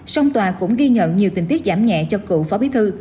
song tòa cũng ghi nhận nhiều tình tiết giảm nhẹ cho cựu phó bí thư